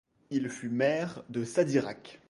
Il fut maire de Sadirac.